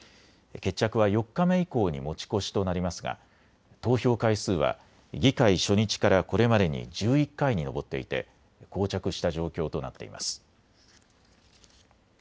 決着は４日目以降に持ち越しとなりますが投票回数は議会初日からこれまでに１１回に上っていてこう着した状況となっています。